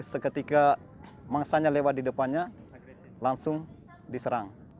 jadi seketika mangsanya lewat di depannya langsung diserang